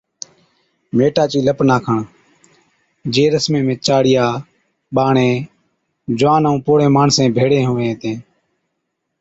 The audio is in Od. ميٽا چِي لپ ناکڻ، جي رسمي ۾ چاڙِيا، ٻاڙين، جوان ائُون پوڙھي ماڻيسن ڀيڙين ھُوَين ھِتين